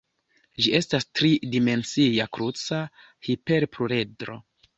Ĝi estas tri-dimensia kruca hiperpluredro.